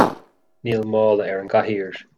Níl mála ar an gcathaoir